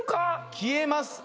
消えます。